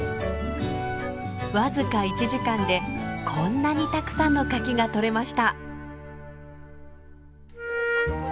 僅か１時間でこんなにたくさんの柿が採れました。